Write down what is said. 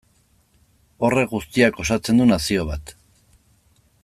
Horrek guztiak osatzen du nazio bat.